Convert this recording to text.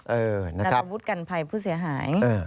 เออนะครับนัตถวุฒิกันภัยผู้เสียหาย